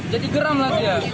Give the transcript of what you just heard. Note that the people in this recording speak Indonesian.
jadi geram lah dia